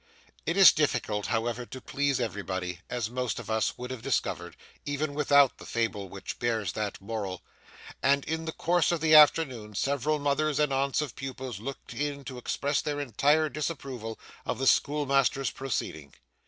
It is difficult, however, to please everybody, as most of us would have discovered, even without the fable which bears that moral, and in the course of the afternoon several mothers and aunts of pupils looked in to express their entire disapproval of the schoolmaster's proceeding.